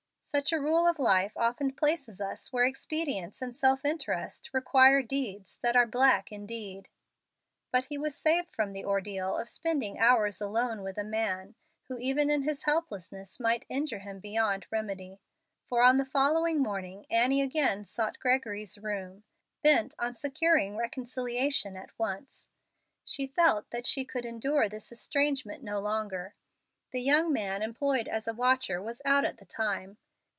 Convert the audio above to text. Such a rule of life often places us where expedience and self interest require deeds that are black indeed. But he was saved from the ordeal of spending hours alone with a man who even in his helplessness might injure him beyond remedy, for on the following morning Annie again sought Gregory's room bent on securing reconciliation at once. She felt that she could endure this estrangement no longer. The young man employed as watcher was out at the time.